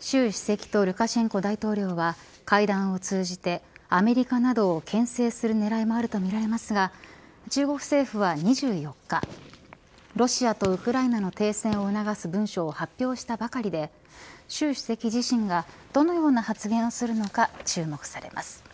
習主席とルカシェンコ大統領は会談を通じて、アメリカなどをけん制する狙いもあるとみられますが中国政府は２４日ロシアとウクライナの停戦を促す文書を発表したばかりで習主席自身がどのような発言をするのか注目されます。